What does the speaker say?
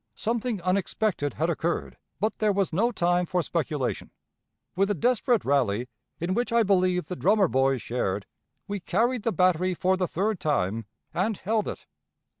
Something unexpected had occurred, but there was no time for speculation. With a desperate rally, in which I believe the drummer boys shared, we carried the battery for the third time, and held it.